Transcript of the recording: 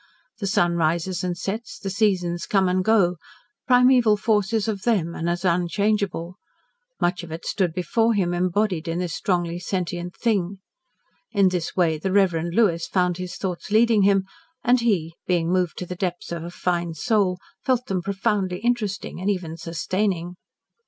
The sun rises and sets, the seasons come and go, Primeval Force is of them, and as unchangeable. Much of it stood before him embodied in this strongly sentient thing. In this way the Reverend Lewis found his thoughts leading him, and he being moved to the depths of a fine soul felt them profoundly interesting, and even sustaining.